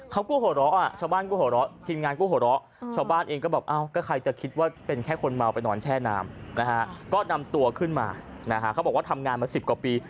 เขาบอกว่าทำงานมาสิบกว่าปี